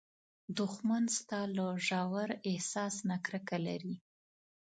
دښمن ستا له ژور احساس نه کرکه لري